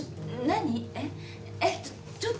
何？